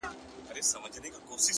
دومره حيا مه كوه مړ به مي كړې’